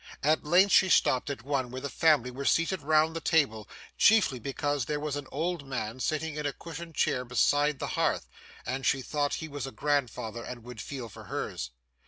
At length she stopped at one where the family were seated round the table chiefly because there was an old man sitting in a cushioned chair beside the hearth, and she thought he was a grandfather and would feel for hers.